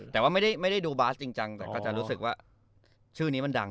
แต่ว่าไม่ได้ดูบาสจริงจังแต่ก็จะรู้สึกว่าชื่อนี้มันดัง